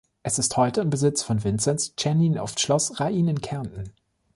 Es ist heute im Besitz von Vinzenz Czernin auf Schloss Rain in Kärnten.